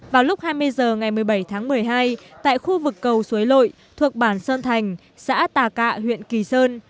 vào lúc hai mươi h ngày một mươi bảy tháng một mươi hai tại khu vực cầu suối lội thuộc bản sơn thành xã tà cạ huyện kỳ sơn